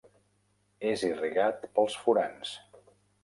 És irrigat pels furans.